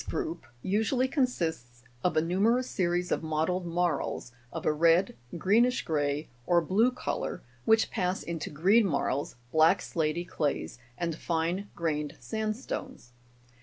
53 group usually consists of a numerous series of mottled marls, of a red, greenish grey, or blue colour, which pass into green marls, black slaty clays, and fine grained sandstones.